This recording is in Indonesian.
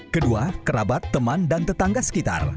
kedua kerabat teman dan tetangga sekitar